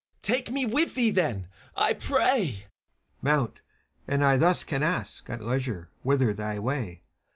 Take me with thee, then, I prayl CHIRON. Mount! and I thus can ask, at leisure, Whither thy way.